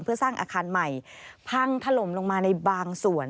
เพื่อสร้างอาคารใหม่พังถล่มลงมาในบางส่วน